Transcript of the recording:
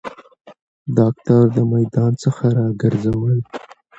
داکتر د میدان څخه راګرځول